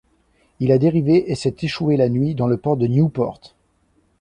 Il a dérivé et s'est échoué la nuit dans le port de Newport.